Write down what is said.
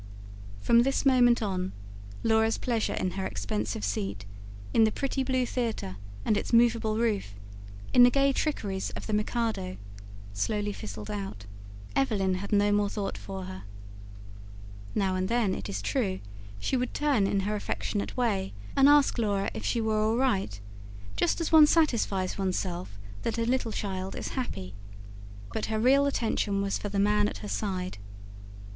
From this moment on, Laura's pleasure in her expensive seat, in the pretty blue theatre and its movable roof, in the gay trickeries of the MIKADO, slowly fizzled out. Evelyn had no more thought for her. Now and then, it is true, she would turn in her affectionate way and ask Laura if she were all right just as one satisfies oneself that a little child is happy but her real attention was for the man at her side.